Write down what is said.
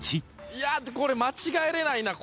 いやこれ間違えれないな。